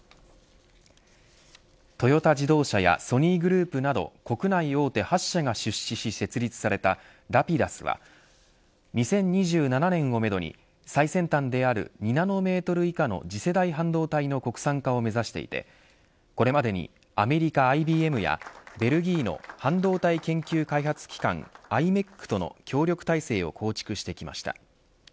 トヨタ自動車やソニーグループなど国内大手８社が出資し設立されたラピダスは２０２７年をめどに最先端である２ナノメートル以下の次世代半導体の国産化を目指していてこれまでに米国ＩＢＭやベルギーの半導体研究開発機関ｉｍｅｃとの協力体制を構築してきました。